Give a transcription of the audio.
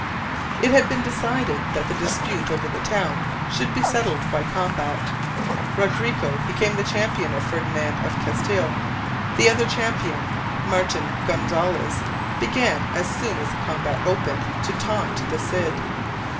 It had been decided that the dispute over the town should be settled by combat. Rodrigo became the champion of Ferdinand of Castile. The other champion, Martin Gonzalez, began, as soon as the combat opened, to taunt the Cid.